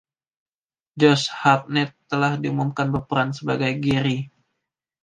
Josh Hartnett telah diumumkan berperan sebagai Gary.